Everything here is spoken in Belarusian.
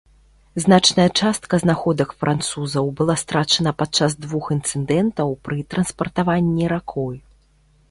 Значная частка знаходак французаў была страчана падчас двух інцыдэнтаў пры транспартаванні ракой.